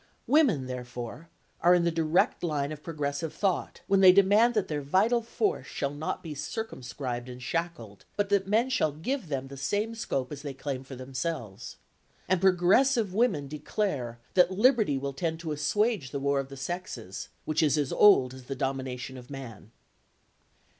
Women, therefore, are in the direct line of progressive thought when they demand that their vital force shall not be circumscribed and shackled, but that men shall give them the same scope as they claim for themselves. And progressive women declare that liberty will tend to assuage the war of the sexes, which is as old as the domination of man.